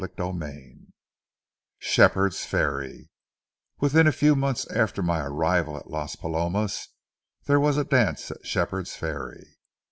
CHAPTER II SHEPHERD'S FERRY Within a few months after my arrival at Las Palomas, there was a dance at Shepherd's Ferry.